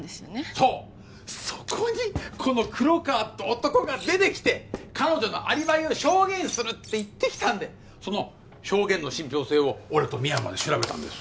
そうそこにこの黒川って男が出てきて彼女のアリバイを証言するって言ってきたんでその証言の信ぴょう性を俺と深山で調べたんです